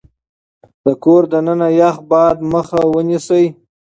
د کور دننه يخ باد مخه ونيسئ.